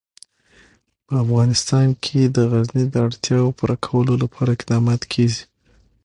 په افغانستان کې د غزني د اړتیاوو پوره کولو لپاره اقدامات کېږي.